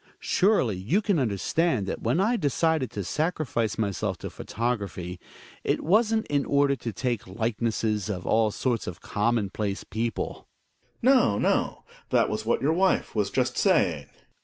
Surely you can understand that when I decided to sacrifice myself to photography, it wasn't in order to take likenesses of all sorts of commonplace people. Gregers. No, no, that was what your wife was just saying.